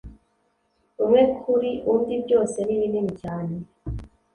Umwe kuri undi byose ni binini cyane